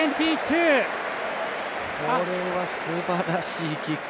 これはすばらしいキック。